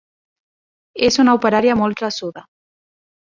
És una operària molt traçuda.